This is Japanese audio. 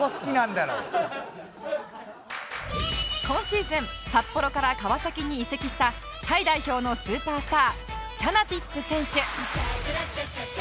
今シーズン札幌から川崎に移籍したタイ代表のスーパースターチャナティップ選手